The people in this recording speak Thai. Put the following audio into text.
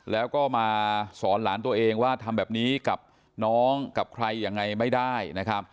แล้วก็มาสอนหลานตัวเองว่าทำแบบนี้กับน้องกับใครยังไงไม่ได้นะครับ